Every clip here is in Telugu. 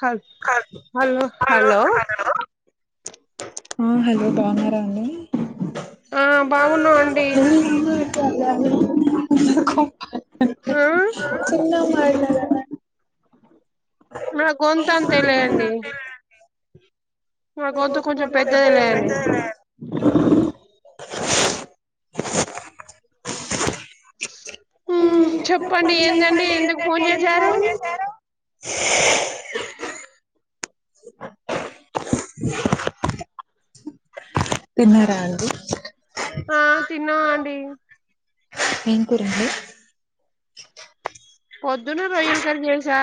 హ హలో హలో హలో హలో బాన్నారా అండి ఆ బాగున్నాం అండి కు ఆ చిన్న మ ఇ గొంత అంతేలిండి రోజ అండి మ్ హమ్ చెప్పండి చాపాది ఏందండి ఎందుకు ఫోన్ ఏం చేశారు ఫోన్ చేశారు తిన్నారా అండి ఆ తిన్నావా అండి ఏం గు రంది పొద్దున్న రొయ్యల కర్ర చేసా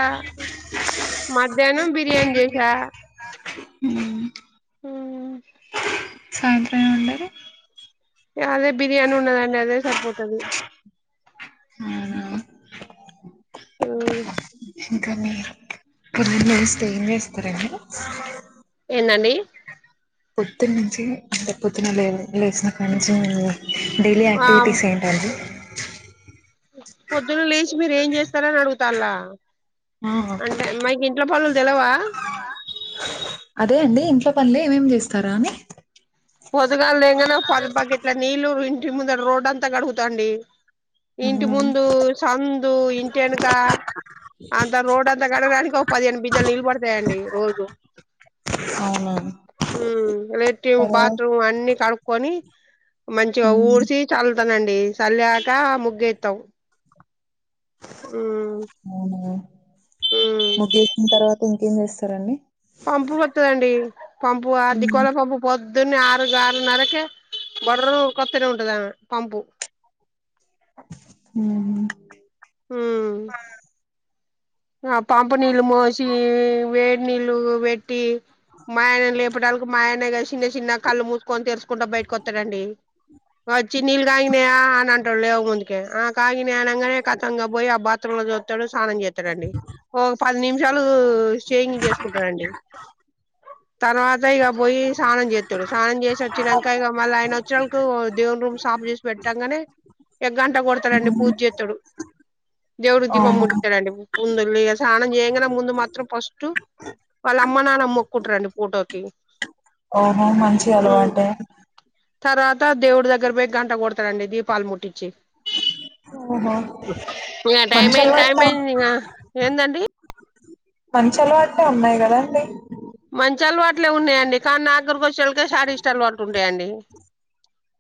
మధ్యాహ్నం బిర్యానీ చేసా ఉ మ్ సాంత్రంగా ఉండది అదే బిర్యానీ ఉన్నదండి అదే సరిపోతుది ఆ అ ఇంకా మీరు పల్ల స్టేం చేస్తారండి ఎన్నండి పొట్తి నుంచింతె పొతున లేదు లేచిన కానీంచి డైలీ యాక్టివిటీస్ ఏంటది పోద్దున లేస్ మీరు ఏం చేస్తార అని అడుగుతా అంటే మైకి ఇంట్లో పలు తెలవా అదే అండి ఇంట్లో పనులే ఏమేమి చేస్తారా అని ఉదుగాళ్ ఎంనా పది పకెట్ల నీళ్ళురు ముంద రోడ్ అంతా గడుగుతాండి ఇంటి అని ముందు సందు ఇంటి వెనక అంత రోడ్ంతా గడగడానికి ఒక పదిహేను బిందెలు నిలబడతాయండి రోజు అవునా ఎటి బ తర్వా అన్ని కడుక్కొని మంచిగా ఊడ్సి చల్ నండి చలిక ముగ్గేస్తాం అ ఉమ్ ముగిసిన తర్వాత ఇంకేం చేస్తారండి పంపు వత్తదండి పంపు ఆ దిక్కోల పంపు పోద్ అని ఆరు ఆరు నరక బర్ర్ కొత్త గా ఉంటదామె పంపు హ్మ్ హ్మ్ ఆ పంపు నీళ్ళు మోసి వేడి నీళ్ళు పెట్టి మాఆయనని లేప్ చెప్పడాలకు మాఆయనే గా చిన్న చిన్న కళ్ళు మూసుకొని తెరుసుకుంట బయటకు వత్తడండి. వచ్చి నీళ్ళ్ కాగినయా అని అం లేవు ముందుకే ఆ కాగినియ్ అనంగానే కతంగా పోయి ఆ బాత్రూమ్ లో చూత్తడు స్నానం చే త్తడండి ఓ పది నిమిషాలు షేవింగ్ చేసుకుంటడండి తర్వాత ఇక పోయి స్నానం చేత్తడు స్నానం చేసి వచ్చినాంక ఇక మల్లా అయన వచ్చేలకు దేవుని రూ సాఫ చేసి పెట్టంగానే ఎ గంట కొడతాడండి పూజెత్తాడు దేవుడికి దీపం అవునా ముట్టిత్తాడండి ముందు సానం చేయంగానే ముందు మాత్రం ఫస్ట్ వాళ్ళ అమ్మ నాన్న మొక్కుంటారండి ఫోటోకి అవునా మంచి అలవాటే తర్వాత దేవుడి దగ్గర పోయి గంట కొడతాడండి దీపాలు ముట్టిచ్చి ఓహో ఇంగా మంచి టైమైంద్ అలవాట్లే టైమైంది ఇంగా ఏందండి మంచి అలవాట్లే ఉన్నాయి కదండి మంచి అలవాట్లే ఉన్నాయండి కానీ నాగ్గరకి వచ్చేళ్కే శాడిస్ట్ అలవాట్లు ఉంటాయండి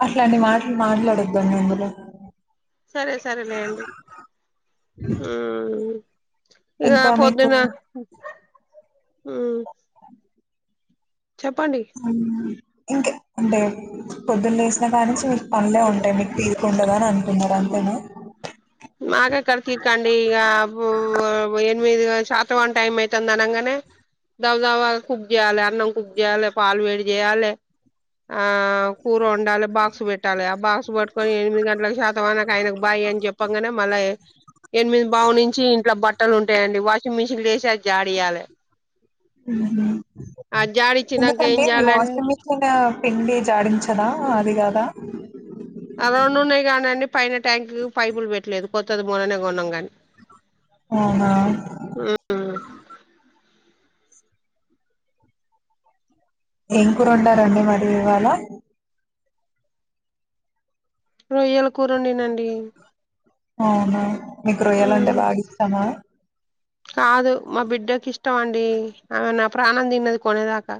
అట్లాంటి మాట్లు మాట్లాడొద్దు [unintelligible] అందులో సరే సరేలేండి హ్మ్ ఇగా ఇంకా మీకు పొద్దున హ్మ్ హ్మ్ ఇంక అంటే పొద్దున్న లేసిన కానీంచి పనులే ఉంటాయ్ మీకు తీరిక ఉండదా అని అంటున్నారు అం మన మాగా కర్ కిక్ అండి ఈ ఎనిమిది శాత వన్ టైమ్ అయితుందనంగానే దవదవా కుక్ చేయాలే అన్నం కుక్ చేయాలే పాలు వేడి చేయాలే ఆ కూర వొండాలే బాక్స్ పెట్టాలి ఆ బాక్స్ పట్టుకొని ఎనిమిది గంటలకు శాతం అన ఆయన బాయ్ అని చెప్ప పంగనే మల్ల ఏ ఎనిమిది బావు నుంచి ఇంట్లో బ బట్టలు ఉంటాయండి వాషింగ్ మిషన్ చేసి అది జాడయాలే హ జాడిచ్చినాక ఏం ఎందుకంటే మీ చేయాలండి వాషింగ్ మిషిన్ పిండి జాడించదా అది కాదా అ రెండు ఉన్నాయి కానీండి పైన ట్యాంక్కి పైపులు పెట్టలేదు కొత్తది మొన్ననే కొన్నాం గాని అవునా ఏం కూర వొండారండి మరి ఇవాళ రొయ్యల కూర వొండినండి అవునా మీకు రొయ్యలంటే బాగ ఇష్టమా కాదు మా బిడ్డకి ఇష్టం అండి ఆమనా ప్రాణం తిన్నది కొనేదాకా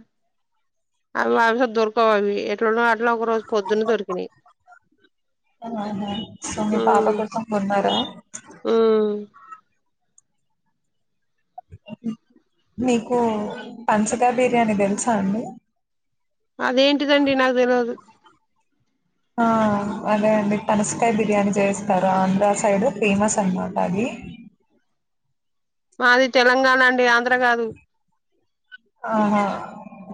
అవి అవిస దొరకవు అవి ఎట్లా ఇట్లో ఒక రోజు పొద్దున్న దొరికినాయ్ ఆహా సో మీ పాప హ్మ్ కోసం కొన్నారా హ్మ్ మీకు పనసకాయ్ బిర్యానీ తెలుసా అండి అదేంటిదండి నాకు తెలవదు ఆ అదే అండి పనసకాయ బిర్యానీ చేస్తారు ఆంధ్ర సైడ్ ఫేమస్ అనమాట అది మాది తెలంగాణ అండి ఆంధ్ర కాదు ఆహా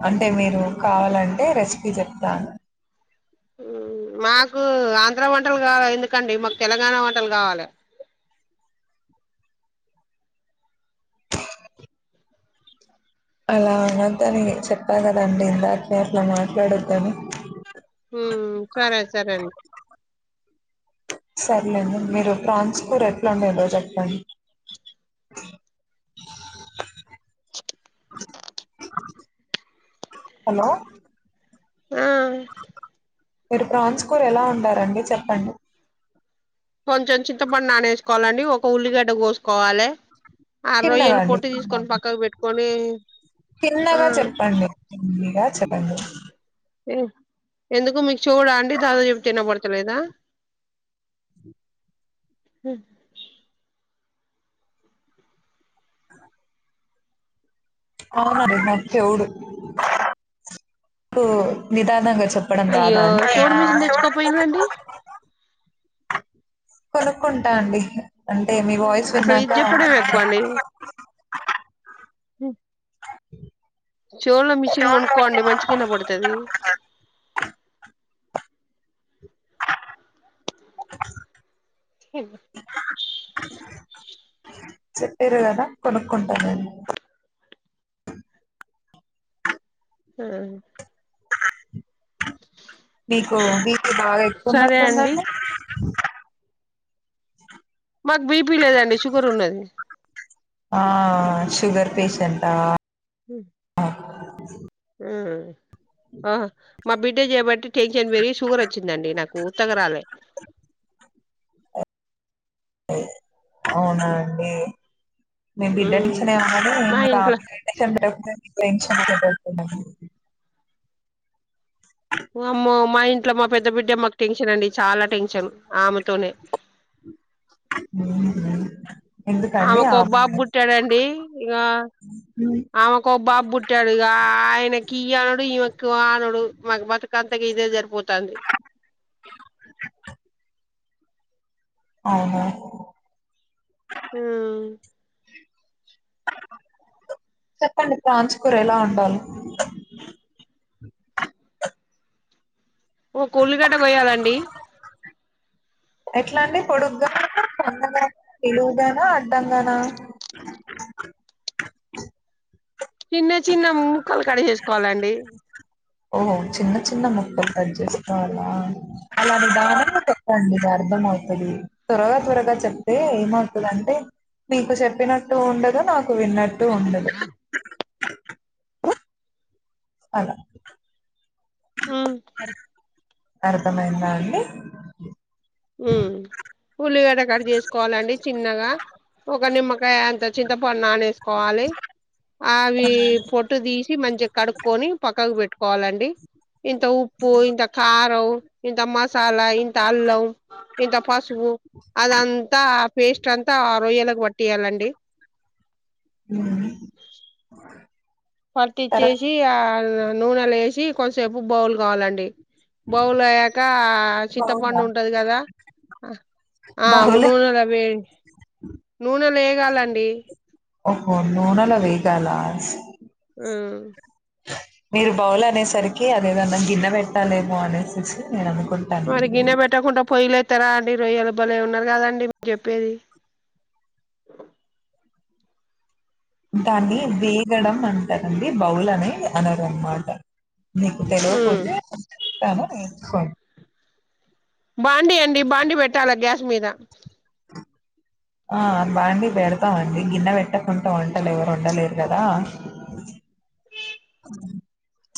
అంటే మీరు కావాలంటే రెసిపీ చెప్తాను మాకు ఆంధ్ర వంటలు కావాలి ఎందుకండి మాకు తెలంగాణ వంటలు కావాలె అలా అనదని చెప్పా కదండి ఇందాకే అట్లా మాట్లాడొద్దని మ్మ్ సరే సరే అండి సరేలేండి మీరు ట్రాన్స్పర్ ఎట్లావుండేదో చెప్పండి హలో ఆ మీరు ప్రాన్స్ కోర్ ఎలా ఉంటారండి చెప్పండి కొంచెం చింతపండ్ నానేసుకోవాలండి ఒక ఉల్లిగడ్డ కోసుకోవాలి. ఆ తిన్నగా రొయ్యలు అండి. పొట్టు తీసుకొని తిన్నగా. పక్కకు పెట్టుకొని ఆ ఇంకా చెప్పండి ఏ ఎందుకు మీక్ షో కూడా అండి [unintelligible] చెప్తే వినబడత లేదా ఆ నా నాక్ చెవ్వుడు వినపడ్దు నిదానంజంగా చెప్ అయ్యో చోవ్డు మీషన్ తెచ్చుకోపోయిడ్ర అండి కొనుక్కుంటా అండి అంటే మీ వాయిస్ అసలు విన్నాక ఇది చెప్పడమే ఎక్కువ మ్ చోవులో మిషిన్ కొనుకోండి మంచిగా వినపడుతది హు చెప్పేరు కదా కొనుక్కుంటానండి ఆ మీకు మీకు బాగా సరే అండి ఎక్కువన్నటుదండి మాకు బీపీ లేదండి షుగర్ ఉన్నది. ఆ షుగర్ పేషెంటా హ్మ్ హ్మ్ ఆ మా బిడ్టజేబట్టి టెన్షన్ పెరిగి షుగర్ వచ్చిందండి నాకు ఉత్తగా రాలే అవునా అండి మేము బిడ్డ హ్మ్ మా ఇంట్లో [unintelligible] టెన్షన్ [unintelligible] ఇట్లా మా పెద్ద బిడ్డ మాకు టెన్షనండి చాలా టెన్షన్ ఆమెతోనే హ్మ్ హు ఆమె కో బాబు పుట్టాడండి ఇక ఆమె కో బాబు పుట్టాడు ఇక ఆయనకి ఈ అనడు ఈమెకు ఆ అనడు మాకు బతుకు అంత ఇదే సరిపోతాంది. అవునా హ్మ్ చెప్పండి ప్రాన్స్ కూర ఎలా ఉండాలో ఒక ఉల్లిగడ్డ కొయ్యాలండి ఎట్లా అండి పొడుగ్గానా సన్నగాన నిలువుగాన అ డ్డంగానా చిన్న చిన్న ముక్కలు కడిగేసుకోవాలండి ఓహో చిన్న చిన్న ముక్కలు కట్ చేసుకోవాలా అలా నిదానంగా చెప్పండి అర్థం అయితది త్వరగా త్వరగా చెప్తే ఏమవుతదంటే మీకు చెప్పినట్టు ఉండదు నాక్ విన్నట్టు ఉండదు అలా హ అర్థమైందా అండి ఉమ్ ఉల్లిగడ్డ కట్ చేసుకోవాలండి చిన్నగా ఒక నిమ్మకాయ అంత చింతపండు నానేసుకో కావాలి అవి పొట్టు తీసి మంచిగా కడుక్కకొని పక్కకు పెట్టుక్ కోవాలండి ఇంత ఉప్పు ఇంత కారం ఇంత మసాలా ఇంత అల్లం ఇంత పసు ఓ అదంతా పేస్ట్ అంతా రొయ్యలకు పట్టియ్యాలండి ఉ హు పట్టిచ్చేసి ఆ నూనె లో వేసి కొన్ సేపు బౌల్ కావాలండి బౌలు అయ్యాక చింతపండు బౌలా ఉంటది కదా ఆ బహుళ నూనెలో వెం నూనెలే ఏగాలండి ఓహో నూనెలో వేగాల ఉమ్ మీరు బౌలు అనేసరికి అదేదన్నా గిన్న పెట్టాలేమో అనేసి నేను అనుక్ మరి గిన్నె పెట్టకుండా పోయిలే త్తరా అండి రోయ్యలుల బలే ఉన్నది కదండి మీర్ చెప్పేది దాన్ని వేగడం అంటరండి బౌలనే అనరన్ మాట నీకు తెలేవక ఉమ్ పోతే చెప్తాను నేర్చుకోండి బాండీ అండి బాండి పెట్టాలా గ్యాస్ మీద ఆ బాండి పెడతామండి గిన్నె పెట్టకుండా వంటలు ఎవరు వన్డలేరు కదా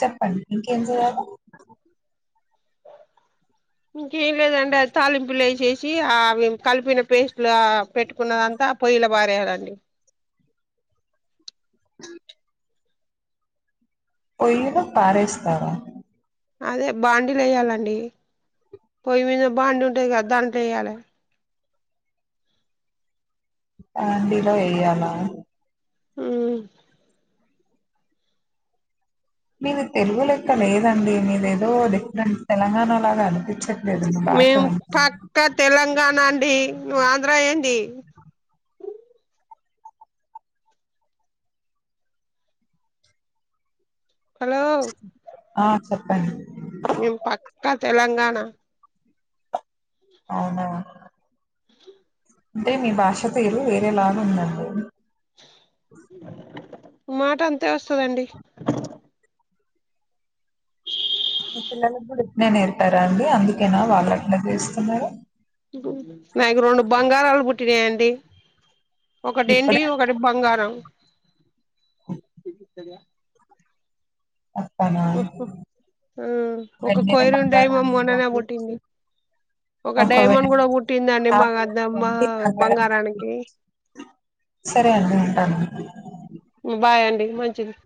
చెప్పండి ఇంకేం చెయ్యాలి ఇంకేం లేదండి తాలింపులు వసేసి అవి కలిపిన పేస్ట్ పెట్టుకున్నదంతా పొయ్యిలో బారేలా అండి పోయిలో పారేస్తారా అదే బాండీలు వేయ్యాలండి పొయ్యి మీద బాండి ఉంటుంది కదా దాంట్లో వేయ్యాలి బాండిలో వెయ్యాలా ఉమ్ మీది తెలుగు లెక్క లేదండి మీరు ఏదో డిఫరెంట్ తెలంగాణ లాగా అనిపించ మేము పక్కా తెలంగాణ అండి నువ్ ఆంధ్ర ఏంది హలో ఆ చెప్పండి మేం పక్కా తెలంగాణ అవునా అంటే మీ భాష తీరు వేరే లాగా ఉందండి మాట అంతే వస్తదండి మా పిల్లలకు కూడా ఇట్నె నేర్పారా అండి అందుకేనా వాళ్ళు అట్లే చేస్తున్నారు నాకు రెండు బంగారాలు బుట్టిన్నాయి. తినాయి అండి ఒకటి ఏండి ఇప్పుడే ఒకటి బంగారం వస్తానా ఓహో ఒక వెన్నీని కొయినూరు డైమండ్ బంగారాన్ని మొన్ననే దాపిచ్చి పుట్టింది ఒక ఒకవేళ డైమండ్ కూడా పుట్టిందండి మా నాకు మా వెండి బంగారం దాపిచ్చి. బంగారానికి సరే అండి ఉంటాను బాయ్ అండి మంచిది